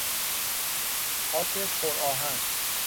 خاک پر آهن